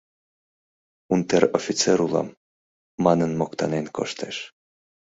— Унтер-офицер улам, манын моктанен коштеш.